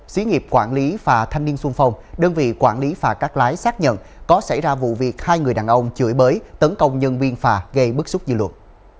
xí nghiệp quản lý phà thanh niên xuân phong đơn vị quản lý phà cắt lái xác nhận có xảy ra vụ việc hai người đàn ông chửi bới tấn công nhân viên phà gây bức xúc dư luận